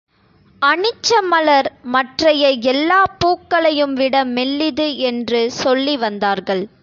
அனிச்ச மலர் மற்றைய எல்லாப் பூக்களையும் விட மெல்லிது என்று சொல்லி வந்தார்கள்.